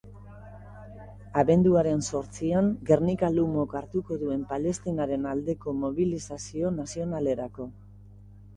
Abenduaren zortzian Gernika-Lumok hartuko duen Palestinaren aldeko mobilizazio nazionalerako deialdia ere luzatu dute.